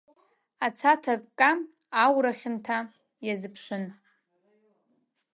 Аца ҭыкка аура хьанҭа иазыԥшын.